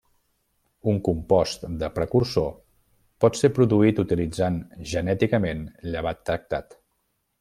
Un compost de precursor pot ser produït utilitzant genèticament llevat tractat.